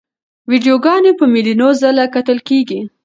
ویډیوګانې په میلیونو ځله کتل کېږي.